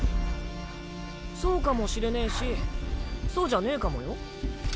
そうかもしれねぇしそうじゃねぇかもよ。